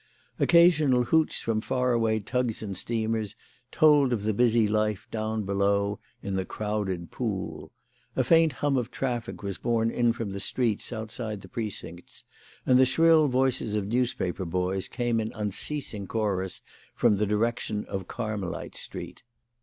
Occasional hoots from far away tugs and steamers told of the busy life down below in the crowded Pool. A faint hum of traffic was borne in from the streets outside the precincts, and the shrill voices of newspaper boys came in unceasing chorus from the direction of Carmelite Street.